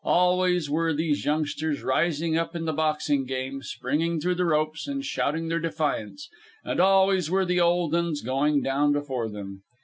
Always were these youngsters rising up in the boxing game, springing through the ropes and shouting their defiance; and always were the old uns going down before them.